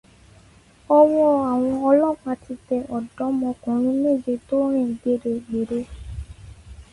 Ọwọ́ àwọn ọlọpàá ti tẹ ọ̀dọ́mọkùnrin méje tó rìn gbéregbère